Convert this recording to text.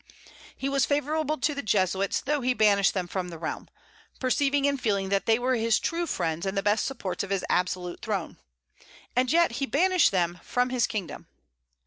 He was favorable to the Jesuits, though he banished them from the realm; perceiving and feeling that they were his true friends and the best supports of his absolute throne, and yet he banished them from his kingdom.